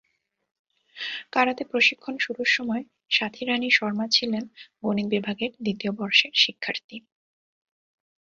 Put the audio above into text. Karate প্রশিক্ষণ শুরুর সময় সাথী রানী শর্মা ছিলেন গণিত বিভাগের দ্বিতীয় বর্ষের শিক্ষার্থী।